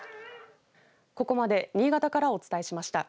ここまで新潟からお伝えしました。